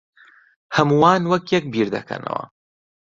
ھەمووان وەک یەک بیردەکەنەوە.